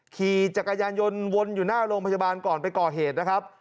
ขี่จักรยานยนต์วนอยู่หน้าโรงพยาบาลก่อนไปก่อเหตุนะครับ